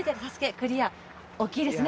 クリア大きいですね。